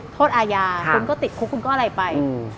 โทษอาญาคุณก็ติดคุกคุณก็อะไรไป